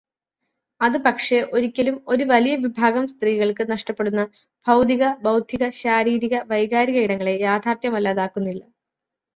അത് പക്ഷെ ഒരിക്കലും ഒരു വലിയവിഭാഗം സ്ത്രീകൾക്ക് നഷ്ടപ്പെടുന്ന ഭൗതിക, ബൗദ്ധിക, ശാരീരിക, വൈകാരിക ഇടങ്ങളെ യാഥാർഥ്യമല്ലാതാക്കുന്നില്ല.